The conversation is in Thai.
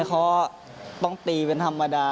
เขาต้องตีเป็นธรรมดา